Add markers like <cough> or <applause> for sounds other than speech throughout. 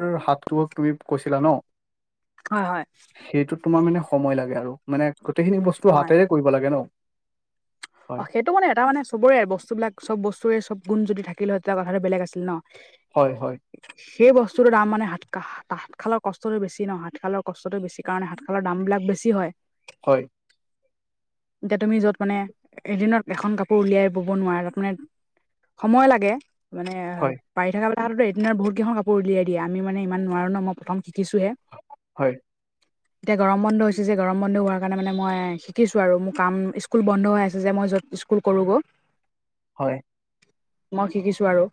তোৰ হাতটোক তুমি কৈছিলা ন? হয় হয় সেইটো তোমাৰ মানে সময় লাগে আৰু, মানে গোটেইখিনি বস্তু হয় হাতেৰে কৰিব লাগে ন। অ হয় সেইটো মানে এটা মানে চবৰে বস্তুবিলাক চব বস্তুৰে চব গুণ যদি থাকিলে হয়, তেতিয়া কথাটো বেলেগ আছিল ন। হয় হয়। সেই বস্তুটো দাম মানে হাতকা হাত শালৰ কষ্টটো বেছি ন হাত শালৰ কষ্টটো বেছি কাৰনে হাত শালৰ দাম বিলাক বেছি হয়। হয় এতিয়া তুমি য'ত মানে এদিনত এখন কাপোৰ উলিয়াই বব নোৱাৰে, তাৰ মানে সময় লাগে। মানে হয় পাৰি থাকা হ তহঁতে টো এদিনত বহু কেইখন কাপোৰ উলিয়াই দিয়ে, আমি মানে ইমান নোৱাৰো ন মই প্ৰথম শিকিছোহে। হয়। <inaudible> এতিয়া গৰম বন্ধ হৈছে যে গৰম বন্ধ হোৱাৰ কাৰণে মানে মই শিকিছো আৰু, মোৰ কাম স্কুল বন্ধ হৈ আছ যে মই য'ত স্কুল কৰো গ। হয়। মই শিকিছো আৰু।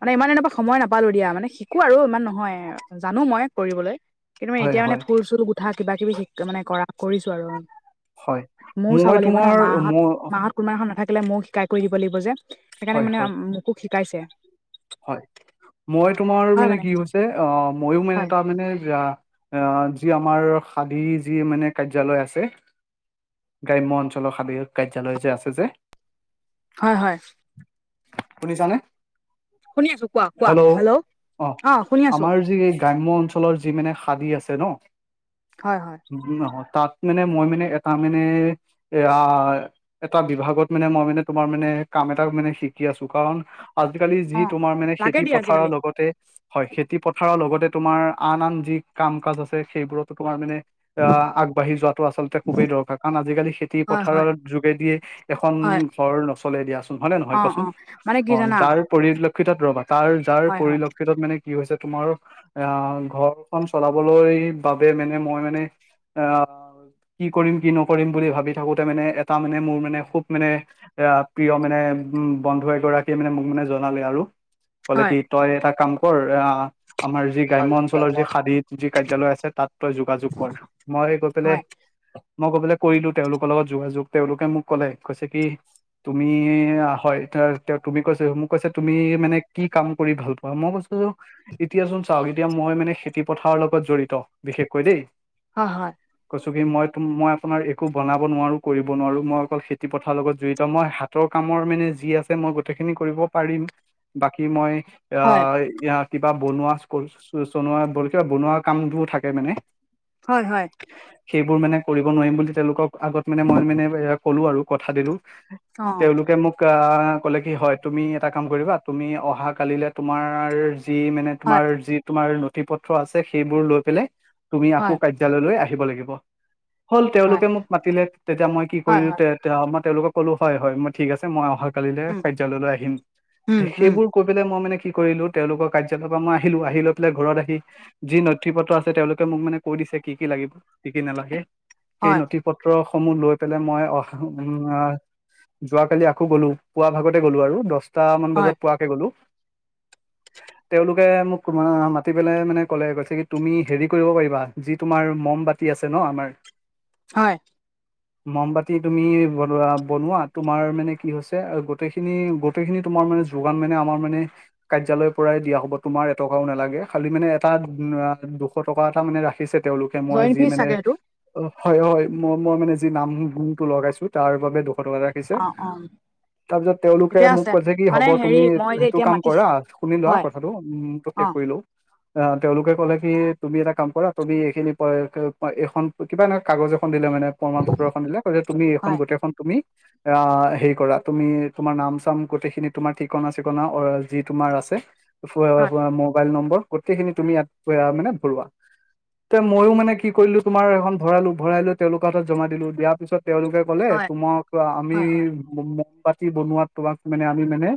মানে ইমান এনেকুৱা সময় নাপালো দিয়া, মানে শিকো আৰু ইমান নহয় জানো মই কৰিবলৈ। কিন্তু মই হয় এতিয়া মানে হয় ফুল চুল গোঠা কিবা কিবি শিক মানে কৰা কৰিছো আৰু। হয় মও চাব মই লাগিব ন তোমাৰ মাহঁত মই মাহঁত কোনোবা দিনাখন নাথাকিলে মইও শিকাই কৰি দিব লাগিব যে, হয় সেইকাৰণে মানে হয় মোকো শিকাইছে। হয়, মই তোমাৰ মানে কি হৈছে আহ ময়ো মানে হয় তাৰ মানে যা আহ যি আমাৰ সাধী যি মানে কাৰ্যালয় আছে গ্ৰাম্য অঞ্চলৰ সাদয়ক কাৰ্যালয় যে আছে যে হয় হয়। শুনিছা নে? শুনি আছো কোৱা কোৱা হেল্লো'। হেল্ল' অ শুনি আছো আমাৰ যি এই গ্ৰাম্য অঞ্চ লৰ যি মানে সাদী আছে ন হয় হয় - নহয় তাত মানে মই মানে এটা মানে এইয়াৰ - এটা বিভাগত মানে মই মানে তোমাৰ মানে কাম এটা মানে শিকি আছো। কাৰণ আজিকালি - অ তোমাৰ মানে লাগে খেতি দিয়া পথাৰৰ আজিকালি লগতে - হয়, খেতি পথাৰৰ লগতে তোমাৰ আন আন যি কাম-কাজ আছে সেইবোৰতো তোমাৰ মানে - আহ আগবাঢ়ি যোৱাটো আচলতে খুবেই দৰকাৰ। কাৰণ আজিকালি হয় হয় খেতি-পথাৰৰ যোগেদিয়ে - এখন হয় ঘৰ নচলে দিয়াচোন হয়নে অ নহয় অ কচোন? মানে কি অ জানা যাৰ পৰিল ক্ষতত ৰবা, তাৰ যাৰ হয় হয় পৰিলক্ষিতত মানে - কি হৈছে তোমাৰ আহ ঘৰখন চলাবলৈ বাবে মানে মই মানে - আহ কি কৰিম কি নকৰিম বুলি ভাবি থাকোতে মানে এটা মানে মোৰ মানে খুব মানে - এ প্ৰিয় মানে উ বন্ধু এগৰাকীয়ে মানে মোক মানে জনালে আৰু - ক'লে হয় কি তই এটা কাম কৰ অ আমাৰ যি হয় গ্ৰাম্য অঞ্চলৰ যি সাদী যি কাৰ্যালয় আছে, - তাত তই যোগাযোগ কৰ। মই গৈ পেলাই হয় - মই কবলে কৰিলো তেওঁলোকৰ লগত যোগাযোগ তেওঁলোকে মোক কলে, কৈছে কি - তুমি হয়, তেওঁ তেওঁ তুমি কৈছে মোক কৈছে তুমি - মানে কি কাম কৰি ভাল পোৱা? মই কৈছো এতিয়া চোন - চাওক এতিয়া মই মানে খেতি পথাৰৰ লগত জড়িত, বিশেষকৈ দেই। হয় হয়। কৈছো কি মই মই আপোনাৰ একো বনাব নোৱাৰো কৰিব নোৱাৰো মই অকল খেতি পথাৰৰ লগত জড়িত, মই হা তৰ কামৰ মানে যি আছে মই গোটেইখিনি কৰিব পাৰিম। বাকি মই অ এইয়াত - কিবা বনোৱা চনোৱা কিবা বনোৱা কামবোৰ থাকে মানে - হয় হয়। সেইবোৰ মানে কৰিব নোৱাৰিম বুলি তেওঁলোকক আগত মানে মই মানে এ ক'লো আৰু কথা দিলো। অ তেওঁলোকে মোক আহ কলে কি হয় তুমি এটা কাম কৰিবা - তুমি অহা কালিলে তোমাৰ যি মানে হয় তোমাৰ যি - তোমাৰ নথি পত্ৰ আছে সেইবোৰ লৈ পেলাই তুমি হয়, আকৌ কাৰ্যালয়লৈ আহিব লাগিব। হ'ল হয়, তেওঁলোকে মোক মাতিলে, তেতিয়া মই কি হয়, কৰিলো হয়, তে মই তেওঁলোকক ক'লো হয় হয় মই ঠিক আছে মই অহা - কালিলে উম, কাৰ্যালয়লৈ আহিম। উম, উম, সেইবোৰ কৈ পেলাই মই মানে কি কৰিলো, তেওঁলোকৰ কাৰ্যালয় পৰা মই আহিলো আহি লৈ পেলাই ঘৰত আহি - যি নথি পত্ৰ আছে তেওঁলোকে মোক মানে কৈ দিছে কি কি লাগিব কি কি নালাগে সেই হয়, নথি - পত্ৰসমূহ লৈ পেলাই মই আহা - যোৱাকালি আকৌ গ'লো। পুৱা ভাগতে গলো আৰু দশটামান হয়, বজাত পুৱাকে গ'লো। <unintelligible> তেওঁলোকে মোক মা মাতি পেলাই মানে কলে, কৈছে কি তুমি হেৰি কৰিব পাৰিবা যি তোমাৰ মম বা তি আছে ন আমাৰ। হয়। মমবতি তুমি বনোৱা বনোৱা, তোমাৰ মানে কি হৈছে গোটেইখিনি গোটেইখিনি তোমাৰ মানে - যোগান মানে আমৰ মানে - কাৰ্যালয়ৰ পৰাই দিয়া হ'ব তোমাৰ এটকাও নালাগে খালি মানে এটা আ দুশ টকা এটা মানে ৰাখিছে তেওঁলো কে মই জইন যি ফিজ মানে চাগে সেইটো অ হয় হয়, মই মই মানে যি নাম গুণটো লগাইছো। তাৰ বাবে দুশ টকা এটা ৰাখিছে, অ', অ', তাৰপিছত তেওঁলোকে ঠিকে মোক আছে কৈছে কি মানে হ'ব - হেৰি তুমি এ মই যে সেইটো এতিয়া কাম মাতি কৰা, শুনি লোৱা হয়, কথাটো মোৰটো শেষ অ', কৰি ল‌ও। আ তেওঁলোকে ক'লে কি তুমি এটা কাম কৰা তুমি এইখিনি প অ'-প এইখন কিবা এনেকা কাগজ এখন দিলে মানে প্ৰমান পত্ৰ এখন দিলে গতিকে তুমি এইখন হয়, গোটেইখন তুমি আ হেৰি কৰা, তুমি তোমাৰ নাম-চাম গোটেইখিনি তোমাৰ ঠিক ঠিকনা-চিকনা অ', যি তোমাৰ আছে, হয়, ফো-অ'-ফো মোবাইল নম্বৰ গোটেইখিনি তুমি ইয়াত অয়া মানে ভৰোৱা। তে ময়ো মানে কি কৰিলোঁ‌, তোমাৰ এখন ভৰালো, ভৰাই লৈ তেওঁলোকৰ হাতত জমা দিলোঁ দিয়াৰ পিছত তেওঁলোকে ক'লে হয়, তোমাক আমি হয়, হয়, মম বাতি বনোৱাত তোমাক মানে আমি মানে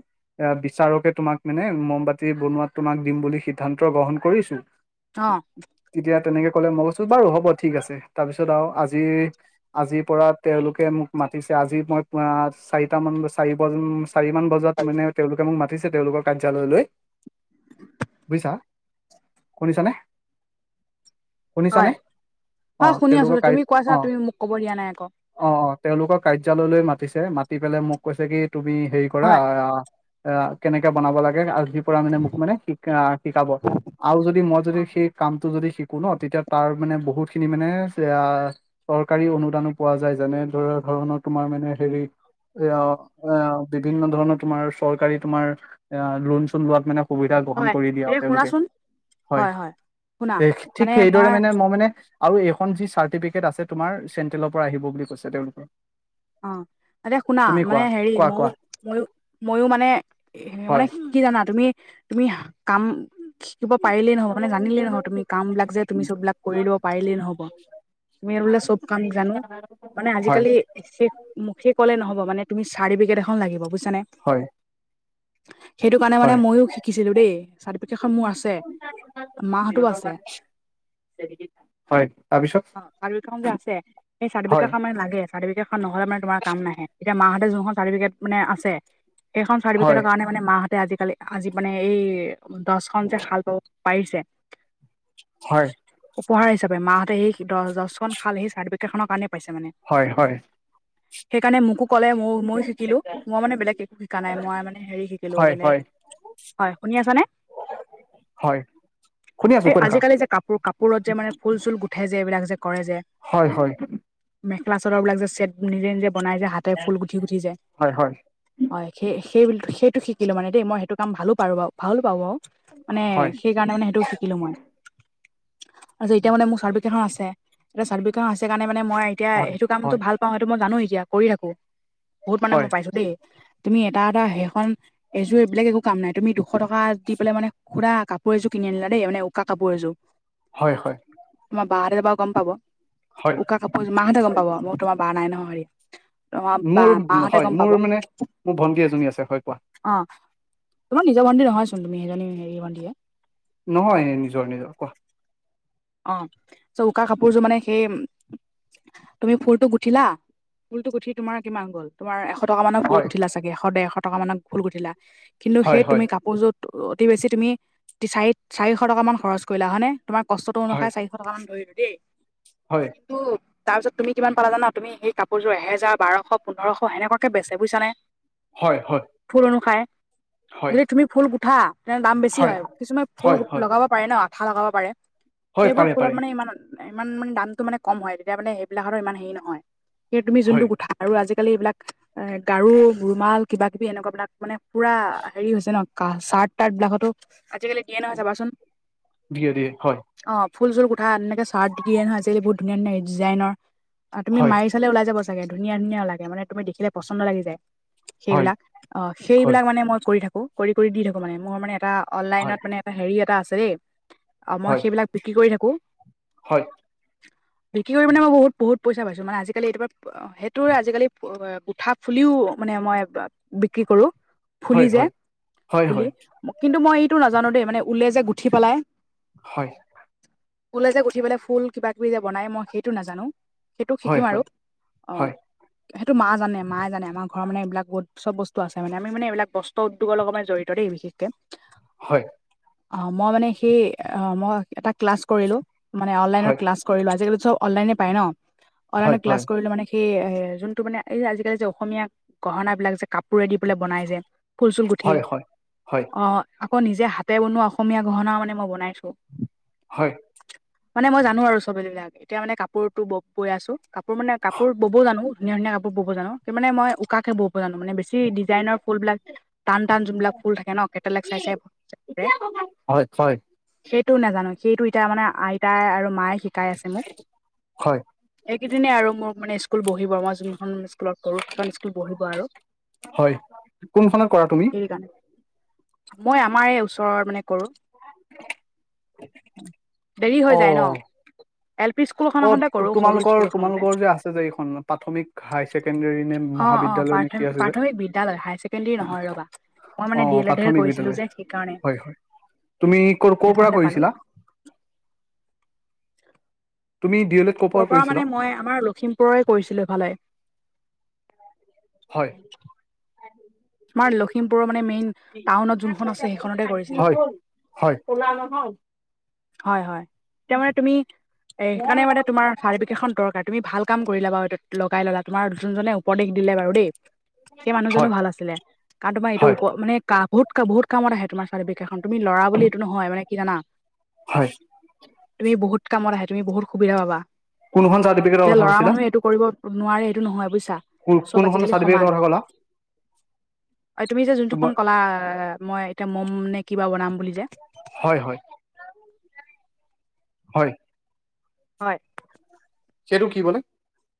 এ বিচাৰকে তোমাক মানে মমবাতি বনোৱাত তোমাক দিম বুলি সিদ্ধান্ত গ্ৰহণ কৰিছোঁ‌। অ'। তেতিয়া তেনেকে কলে, মই কৈছো বাৰু হ'ব ঠিক আছে তাৰপিছত আৰু আজি আজিৰ পৰা তেওঁলোকে মোক মাতিছে, আজি মই আম চাৰিটা মান চাৰি বজ চাৰি মান বজ জাত মানে তেওঁলোকে মোক মাতিছে তেওঁলোকৰ কাৰ্যালয়লৈ। বুজিছা? শুনিছানে? হয়, শুনিছানে? হয়, অ', শুনি আছো তেওঁলোকৰ দে কাৰি তুমি কোৱাছা অ'। তুমি মোক ক'ব দিয়া নাই আকৌ অ'-অ' তেওঁলোকৰ কাৰ্যালয়লৈ মাতিছে, মাতি পেলাই মোক কৈছে কি তুমি হেৰি কৰা হয়, আ, কেনেকে বনাব লাগে আজ জিৰ পৰা মানে মোক মানে শিকা শিকাব আৰু যদি মই যদি সেই কামটো যদি শি কো ন, তেতিয়া তাৰ মানে বহুতখিনি মানে চে আ চৰকাৰী অনুদানো পোৱা যায় যেনে ধৰা ধৰণৰ তোমাৰ মানে হেৰি এঅ এ বিভিন্ন ধৰণৰ তোমাৰ চৰকাৰী তোমাৰ এ লোন-চোন লোৱাত মানে সুবিধা গ্ৰহণ হয়, কৰি দিয়া এতিয়া আৰু তেওঁলোকে। শুনাচোন হয়, শেষ ঠিক সেইদৰে মানে মই মানে আৰু এইখন যি চাৰ্টিফিকেট আছে তোমাৰ, চেন্ট্ৰেলৰ পৰা আহিব বুলি কৈছে তেওঁলোকৰ। অ', এতিয়া শুনা মানে হেৰি কোৱা ময়ো কোৱা মইও মইও মানে এ মানে হয় সি কি জানা তুমি-তুমি হা কাম শিকিব পাৰিলেই নহব মানে জানিলেই নহয় তুমি কামবিলাক যে তুমি চববিলাক কৰি লব পাৰিলেই নহ'ব। মেৰুলে চব কাম জানো, মানে হয় আজিকালি শেষ মূ্খে ক'লে নহব মানে তুমি চাৰ্টিফিকেট এখন লাগিব, বুজছানে? হয়। সেইটো কাৰণে মানে হয় মইয়ো শিকিছিলোঁ দেই, চাৰ্টিফিকেটখন মোৰ আছে। মাহঁতো সিহঁতৰ আছে মানে <unintelligible> চাৰ্টিফিকেট হয়, তাৰপিছত? অ', চাৰ্টিফিকেটখন যে আছে সেই হয় চাৰ্টিফিকেটখন মানে লাগে। চাৰ্টিফিকেটখন নহলে মানে তোমাৰ কাম নাহে, এতিয়া মাহঁতে যোনখন চাৰ্টিফিকেট মানে আছে সেইখন হয় চাৰ্টিফিকেটৰ কাৰণে মানে মাহঁতে আজিকালি আজি মানে এই দছখন যে শাল ব'ব পাৰিছে। হয়। উপহাৰ হিচাপে মাহঁতে সেই দহ দছখন শাল সেই চাৰ্টিফিকেটখনৰ কাৰণেই পাইছে মানে। হয় হয়। সেইকাৰণে মোকো ক'লে ময় মইও শিকিলোঁ‌, মই মানে বেলেগ একো শিকা নাই মই মানে হেৰি শিকিলোঁ‌ হয় বেলেগ হয় হয়, শুনি আছা নে? হয়, শুনি আছো, এই কয় থাকা। আজিকালি যে কাপোৰ কাপোৰত যে মানে ফুল-চুল গুঠে যে এইবিলাক যে কৰে যে হয়-হয়। মেখেলা চাদৰ বিলাক যে ছেট নিজে-নিজে বনাই যে হাতে ফুল গুঠি-গুঠি যে হয় হয় হয় সেই-সেই-সেইটো শিকিলোঁ‌ মানে দেই মই সেইটো কাম ভালো পাৰো বাৰু ভালো পাওঁ বাৰু, মানে হয় সেই কাৰণে মানে সেইটো শিকিলো মই। তাৰপিছত এতিয়া মানে মোৰ চাৰ্টিফিকেট খন আছে এতিয়া চাৰ্টিফি খন আছে কাৰণে মানে মই এতিয়া হয় সেইটো কামটো হয় ভাল পাওঁ সেইটো মই জানো এতিয়া কৰি থাকো। বহুত মানে মই পাইছো দেই, তুমি এটা এটা সেইখন এযোৰ এইবিলাক একো কাম নাই। তুমি দুশ টকা দি পেলাই মানে সুধা কাপোৰ এযোৰ কিনি আনিলা দেই মানে উকা কাপোৰ এযোৰ। <inaudible> হয় হয় তোমাৰ বাহতে যেনিবা গম পাব হয় উকা কাপোৰ এযোৰ মাহতে গম পাব। মই তোমাৰ বা নাই নহয় হেৰি তোমাৰ বা মোৰ মাহতে হয় গম মোৰ পাব। অ', মানে মোৰ ভন্টি এজনী আছে হয় কোৱা তোমাৰ নিজৰ ভণ্টি নহয়চোন, তুমি সেইজনী হেৰি ভণ্টিহে নহয় নিজৰ নিজৰ। কোৱা অ', চ উকা কাপোৰযোৰ মানে সেই তুমি ফুলটো গুঠিলা ফুলটো গুঠি তোমাৰ কিমান গ'ল? তোমাৰ এশ টকা মানৰ ফুল হয় গুঠিলা চাগে, এশ দেৰশ টকা মানত ফুল গুঠিলা কিন্তু হয় সেই হয় তুমি কাপোৰযোত অতি বেছি তুমি চাৰি- চাৰিশ টকা মান খৰচ কৰিলা হয় নে তোমাৰ কষ্টটো হয় অনুসাৰে চাৰি শ টকামান ধৰিলোঁ দেই হয়। টো তাৰ পিছত তুমি কিমান পালা জানা তুমি সেই কাপোৰযোৰ এহেজাৰ, বাৰশ, পোন্ধৰশ সনেকুৱাকে বেচে বুইছানে হয় হয় ফুল অনুসায়। হয় যদি তুমি ফুল গুঁঠা তেনে দাম বেছি হয় কিছুমানে ফুল হয় হয় লগাব পাৰে ন, আঠা লগাব পাৰে। হয় সেইবোৰ পাৰে ফুলত পাৰে মানে ইমান ইমান মানে দামটো মানে কম হয়। তেতিয়া মানে সেইবিলাকটো ইমান হেৰি নহয়। এ তুমি যোনটো হয় গুঁঠা আৰু আজিকালি এইবিলাক এ গাৰু, ৰুমাল কিবা কিবি এনেকুৱা বিলাক মানে পুৰা হেৰি হৈছে ন, কা চাৰ্ট তাৰ্ট বিলাকতো আজিকালি দিয়ে নহয় চাবাচোন। দিয়ে দিয়ে হয়। অ ফুল চুল গুঁঠা এনেকে চাৰ্ট দি দে নহয় আজিকালি বহুত ধুনীয়া ধুনীয়া ডিজাইনৰ আৰু তুমি হয় মাৰি এইফালে ওলাই যাব চাগে ধুনীয়া ধুনীয়া লাগে মানে তুমি দেখিলে পচন্দ লাগি যায়। হয় সেইবিলাক অ, হয় সেইবিলাক মানে মই কৰি থাকো। কৰি কৰি দি থাকো মানে মোৰ মানে এটা হয় অনলাইনত মানে এটা হেৰি এটা আছে দেই। অ, মই হয় সেইবিলাক বিক্ৰী কৰি থাকোঁ। হয় বিক্ৰী কৰি মই মানে বহুত বহুত পইচা পাইছোঁ মানে আজিকাল এইটোপা সেইটোৰে আজিকালি গুঁঠা ফুলিও মানে মই বিক্ৰী কৰোঁ। ফুলি হয় যে হয় হয় হয় ফুলি কিন্তু মই এইটো নাজানো দেই মানে উলে যে গুঠি পেলাই হয়। উলে যে গুঠি পেলাই ফুল কিবা কিবি যে বনায় মই সেইটো নাজানো, সেইটো হয় শিকিম আৰু হয় অ। হয় সেইটো মা জান মাই জানে আমাৰ ঘৰৰ মানে এইবিলাক বহুত চব বস্তু আছে মানে, আমি মানে এইবিলাক বস্ত্ৰ উদ্যোগৰ লগত মানে জড়ি ত দেই বিশেষকে। হয়। অ' মই মানে সেই অ মই এটা ক্লাছ কৰিলো মানে হয় অনলাইনৰ হয় ক্লাছ কৰিলোঁ। আজিকালি চব অনলাইনে পায় ন, হয় অনলাইনৰ ক্লাচ হয় কৰিলো মানে সেই এ যোনটো মানে এই আজিকালি যে অসমীয়া গহনা বিলাক যে কাপোৰে দি পেলাই বনাই যে ফুল চুল গুঠি হয় হয় অ, আকৌ নিজে হাতে বনোৱা অসমীয়া গহনা মানে মই বনাইছোঁ। হয়। মানে মই জানো আৰু সব এইবিলাক। এতিয়া মানে কাপোৰটো বব বৈ আছো। কাপোৰ মানে কাপোৰ ব'বও জানো ধুনীয়া- ধুনীয়া কাপোৰ ব'ব জানো। ত মানে মই উকাকে বব জানো মানে বেছি। কি ডিজাইনৰ ফুলবিলাক টান টান যোনবিলাক ফুল থাকে ন কেটেলেক চাই চাই- হয় হয়, সেইটো নাজানো সেইটো এতিয়া মানে আইতাই আৰু মায়ে শিকাই আছে মোক। হয়, এইকেইদিনে আৰু মোৰ মানে স্কুল বহিব মই যোনখন স্কুলত কৰো সেইখন স্কুল বহিব আৰু। হয়, কোনখনত কৰা তুমি? সেইকাৰণে মই আমাৰ এই ওচৰৰ মানে কৰো। <unintelligible> দেৰি অ হৈ যায় ন, এল পি স্কুলখন এখনতে কৰো সৰু স্কুল এখনতে। ছে যে এইখন প্ৰাথমিক হায়াৰ ছেকেণ্ডেৰী নে- অ অ মহাবিদ্যালয় নে কি প্ৰাথম আছে যে প্ৰাথমিক বিদ্যালয় হায়াৰ ছেকেণ্ডৰী নহয় ৰ'বা। মই অ মানে ডি এল এডে প্ৰাথমিক কৰিছিলোঁ বিদ্যালয় যে সেইকাৰণে। হয় হয় তুমি ক' ক'ৰ পৰা এখনতে পালো কৰিছিলা? তুমি ডি' এল এড- ক'ৰ ক' পৰা কৰিছিলা মানে মই আমাৰ লখিমপুৰৰে কৰিছিলো এফালে। হয়, আমাৰ লখিমপুৰৰ মানে মেইন টাউনত যোনখন আছে সেইখনতে কৰিছিলো। হয় হয়, কোলা নহও হয় হয় এতিয়া মানে তুমি, এ সেইকাৰণে মানে তোমাৰ- চাৰ্টিফিকেটখন দৰকাৰ তুমি ভাল কাম কৰিলা বাৰু লগাই ললা তোমাৰ যোনজনে উপদেশ দিলে বাৰু দেই। সেই মানুহজনো হয় ভাল আছিলে কাৰণ তোমাৰ এইটো হয় উপ--মানে কা বহুত কা বহুত কামত আহে তোমাৰ চাৰ্টিফিকেট খন, তুমি' লৰা বুলি এইটো নহয় মান কি জানা- হয়, তুমি বহুত কামত আহে তুমি বহুত সুবিধা পাবা, কোনখন চাৰ্টিফিকেটৰ যে কথা ল'ৰা কৈছিলা মানুহে এইটো- কৰিব নোৱাৰে এইটো নহয় বুইছা, চব কোনখন আজিকালি চাৰ্টিফিকেটৰ সমান। কথা ক'লা অ তুমি যে যোনটো খন তোমাৰ ক'লা মই এতিয়া মম নে কিবা বনাম বুলি যে। হয় হয়, হয়, হয়, সেইটো কি কলে?